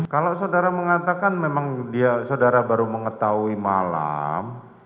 kalau saudara mengatakan memang dia saudara baru mengetahui malam